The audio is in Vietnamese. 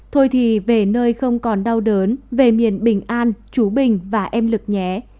thôi thì về nơi không còn đau đớn về miền bình an chú bình và em lực nhé